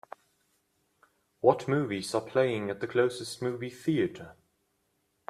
What movies are playing at the closest movie theatre